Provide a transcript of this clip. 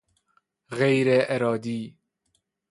غیرارادی